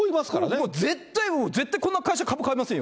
もう絶対、絶対こんな会社、株、買いませんよ。